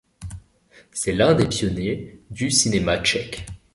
C'est l'un des pionniers du cinéma tchèque.